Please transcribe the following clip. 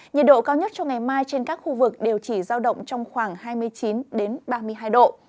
nhiệt độ cao nhất trong ngày mai trên các khu vực đều chỉ giao động trong khoảng hai mươi chín ba mươi hai độ